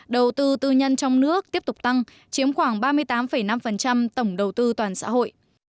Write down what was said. đầu tư tư nhân trong nước tiếp tục tăng chiếm khoảng ba mươi tám năm tổng đầu tư toàn xã hội